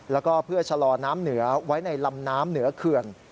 แล้วก็เพื่อชะลอน้ำเหนือไว้ในลำน้ำเหนือเขื่อน